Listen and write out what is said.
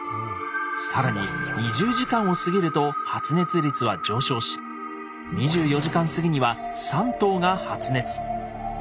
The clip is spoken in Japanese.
更に２０時間を過ぎると発熱率は上昇し２４時間過ぎには３頭が発熱。